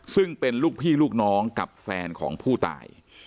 ซึ่งเป็นลูกพี่ลูกน้องกับแฟนของผู้ตาย